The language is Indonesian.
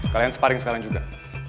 kalian sparing sekarang juga